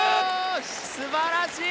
すばらしい！